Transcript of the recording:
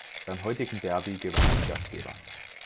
Beim heutigen Derby gewannen die Gastgeber.